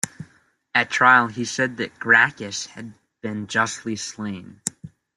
At trial, he said that Gracchus had been justly slain.